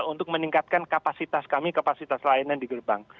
untuk meningkatkan kapasitas kami kapasitas layanan di gerbang